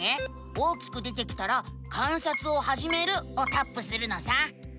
大きく出てきたら「観察をはじめる」をタップするのさ！